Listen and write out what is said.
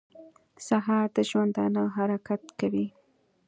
سهار د ژوندانه حرکت کوي.